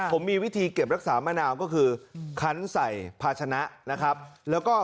ผมมีวิธีเกี่ยวรักษามะนาวคือคันใส่พาชนะ